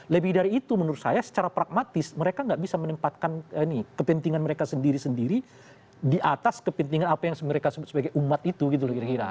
lebih dari itu menurut saya secara pragmatis mereka nggak bisa menempatkan kepentingan mereka sendiri sendiri di atas kepentingan apa yang mereka sebut sebagai umat itu gitu loh kira kira